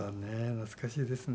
懐かしいですね。